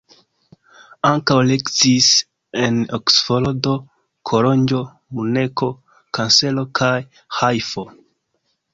Ankaŭ lekciis en Oksfordo, Kolonjo, Munkeno, Kaselo kaj Ĥajfo.